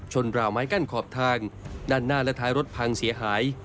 ราวไม้กั้นขอบทางด้านหน้าและท้ายรถพังเสียหาย